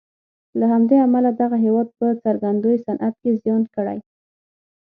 له همدې امله دغه هېواد په ګرځندوی صنعت کې زیان کړی.